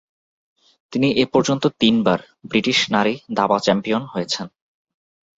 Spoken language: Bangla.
তিনি এ পর্যন্ত তিনবার ব্রিটিশ নারী দাবা চ্যাম্পিয়ন হয়েছেন।